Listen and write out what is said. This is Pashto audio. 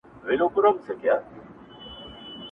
انساني وجدان تر ټولو زيات اغېزمن سوی ښکاري,